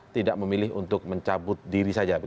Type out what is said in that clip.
tidak memilih untuk mencabut diri saja